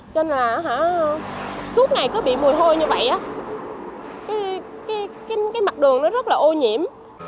cho nên là suốt ngày cứ bị mùi hôi như vậy cái mặt đường nó rất là ô nhiễm